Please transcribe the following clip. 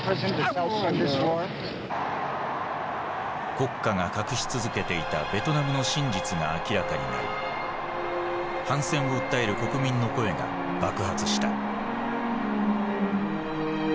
国家が隠し続けていたベトナムの真実が明らかになり反戦を訴える国民の声が爆発した。